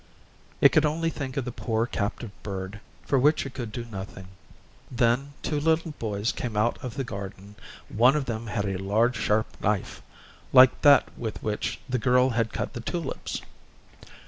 It could only think of the poor captive bird, for which it could do nothing. Then two little boys came out of the garden; one of them had a large sharp knife, like that with which the girl had cut the tulips.